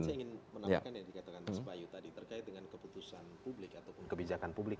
saya ingin menambahkan yang dikatakan mas bayu tadi terkait dengan keputusan publik ataupun kebijakan publik